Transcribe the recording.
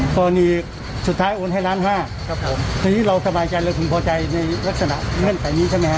คนอีสสุดท้ายอวดให้ร้านเข้าห้าที่เราสบายใจแล้วคุณพอใจในลักษณะเงื่อนไผ่นี้ใช่ไหมครับ